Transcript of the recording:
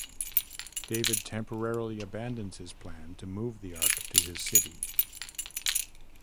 David temporarily abandons his plan to move the ark to his city.